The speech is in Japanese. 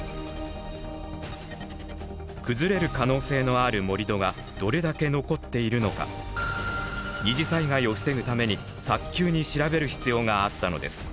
崩れる可能性のある盛り土がどれだけ残っているのか二次災害を防ぐために早急に調べる必要があったのです。